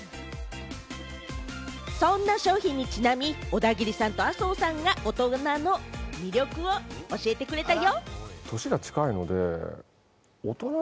そんな商品にちなみ、オダギリさんと麻生さんがお互いに大人の魅力を教えてくれたよ。